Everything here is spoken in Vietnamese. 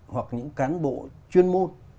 hoặc những cán bộ chuyên môn